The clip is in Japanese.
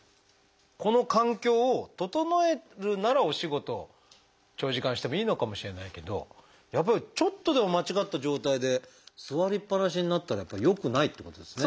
この環境を整えるならお仕事長時間してもいいのかもしれないけどやっぱりちょっとでも間違った状態で座りっぱなしになったらやっぱり良くないっていうことですね。